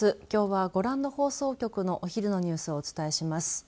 きょうはご覧の放送局のお昼のニュースをお伝えします。